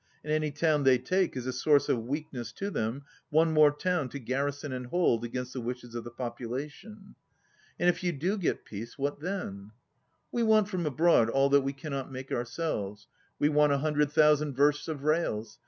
And any town they take is a source of weakness to them, one more town to garrison ,104 and hold against the wishes of the population." "And if you do get peace, what then^" "We want from abroad all that we cannot make ourselves. We want a hundred thousand versts of rails.